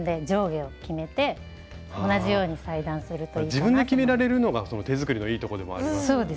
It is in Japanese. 自分で決められるのが手作りのいいとこでもありますからね。